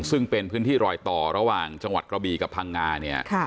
ซึ่งเป็นพื้นที่รอยต่อระหว่างจังหวัดกระบีกับพังงาเนี่ย